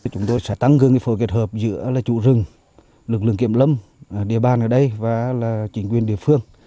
chúng tôi sẽ tăng cường phối kết hợp giữa chủ rừng lực lượng kiểm lâm địa bàn ở đây và chính quyền địa phương